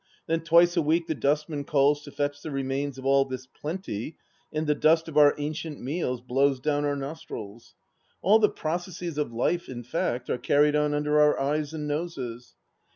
Then twice a week the dustman calls to fetch the remains of all this plenty, and the dust of our ancient meals blows down our nostrils. All the processes of life, in fact, are carried on under our eyes and noses.